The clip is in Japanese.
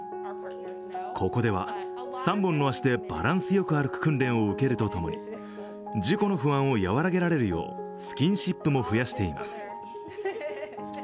ここでは３本の足でバランスよく歩く訓練を受けると共に、事故の不安を和らげられるようスキンシップも増やしています。